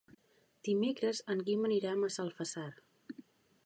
Dimecres en Guim anirà a Massalfassar.